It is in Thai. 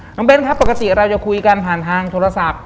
เบ้นครับปกติเราจะคุยกันผ่านทางโทรศัพท์